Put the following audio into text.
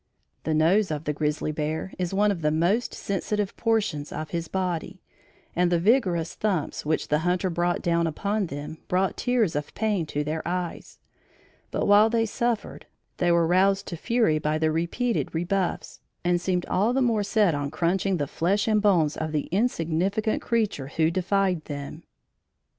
The nose of the grizzly bear is one of the most sensitive portions of his body, and the vigorous thumps which the hunter brought down upon them, brought tears of pain to their eyes. But while they suffered, they were roused to fury by the repeated rebuffs, and seemed all the more set on crunching the flesh and bones of the insignificant creature who defied them.